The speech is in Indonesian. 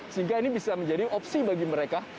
sehingga ini bisa menjadi opsi bagi mereka